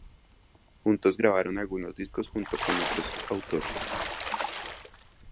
Juntos grabaron algunos discos junto con otros autores.